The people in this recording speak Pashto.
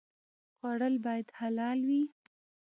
خوړل باید حلال وي